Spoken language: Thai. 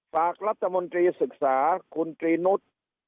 ฝากรัฐมนตรีศึกษาคุณตรีนุษย์